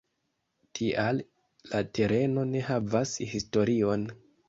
Tial la tereno ne havas historion.